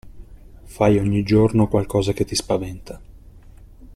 Fai ogni giorno qualcosa che ti spaventa.